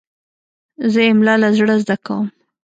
زه املا له زړه زده کوم.